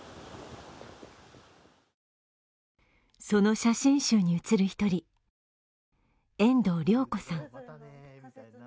その写真集に写る一人遠藤綾子さん。